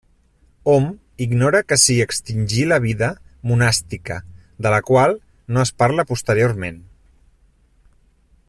Hom ignora que s'hi extingí la vida monàstica de la qual no es parla posteriorment.